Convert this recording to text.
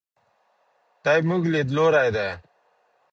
دا زموږ لیدلوری دی.